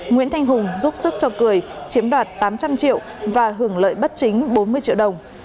nguyễn thanh hùng giúp sức cho cười chiếm đoạt tám trăm linh triệu và hưởng lợi bất chính bốn mươi triệu đồng